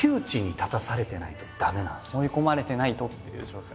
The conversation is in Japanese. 追い込まれてないとっていう状況。